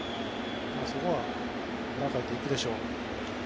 そこは抑えていくでしょう。